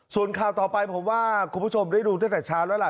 ส่วนข่าวต่อไปผมว่าคุณผู้ชมได้ดูตั้งแต่เช้าแล้วล่ะ